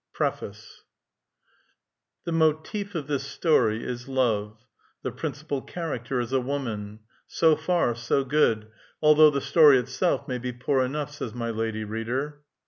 HI. PREFACE. " The motive of this story is love ; the principal character is a woman. So far, so good, although the story itself may be poor enough," says my lady reader.